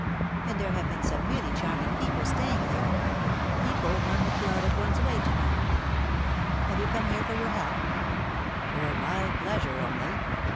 And there have been some really charming people staying here ; people one would go out of one's way to know. Have you come here for your health ?"" For my pleasure only.